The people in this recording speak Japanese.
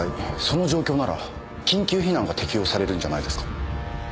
その状況なら緊急避難が適用されるんじゃないですか？